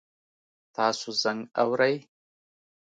تاسو زنګ اورئ؟